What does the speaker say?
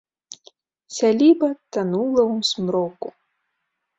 Сяліба танула ў змроку.